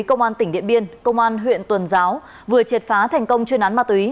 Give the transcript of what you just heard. công an tỉnh điện biên công an huyện tuần giáo vừa triệt phá thành công chuyên án ma túy